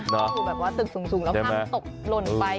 ถือแบบว่าถือสูงก็ถ้ามตกหล่นไป